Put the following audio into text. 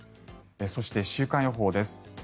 そして、週間予報です。